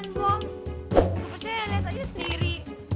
enggak percaya liat aduh sendiri